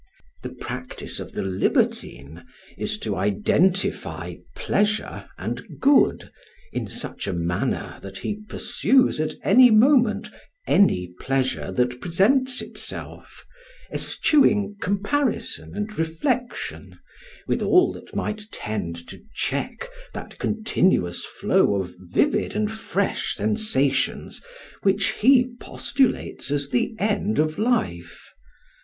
The practice of the libertine is to identify pleasure and good in such a manner that he pursues at any moment any pleasure that presents itself, eschewing comparison and reflection, with all that might tend to check that continuous flow of vivid and fresh sensations which he postulates as the end of life.